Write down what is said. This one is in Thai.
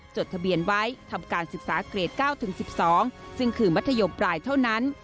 จดทะเบียนไว้ทำการศึกษาเกรด๙๑๒ซึ่งคือมัธยมปลายเท่านั้น